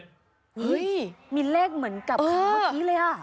เฮ้ยมีเลขเหมือนกับเมื่อกี้เลยอ่ะ